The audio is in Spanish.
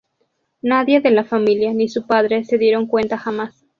Nadie de la familia, ni su padre, se dieron cuenta jamás.